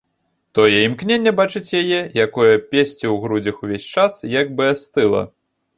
Тое імкненне бачыць яе, якое песціў у грудзях увесь час, як бы астыла.